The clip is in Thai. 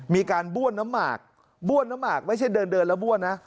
มีการบ้วนน้ำหมากบ้วนน้ำหมากไม่ใช่เดินเดินแล้วบ้วนนะ